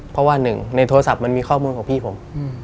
เพราะว่าหนึ่งในโทรศัพท์มันมีข้อมูลของพี่ผม